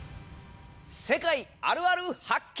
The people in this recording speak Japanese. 「世界あるある発見」！